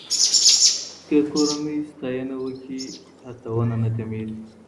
که کورنۍ ستاینه وکړي، هڅونه نه کمېږي.